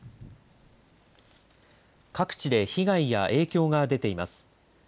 各地で被害や影響が出ています。